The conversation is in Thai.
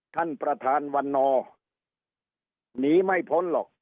ท่านประธานวันนอร์หนีไม่พ้นหรอก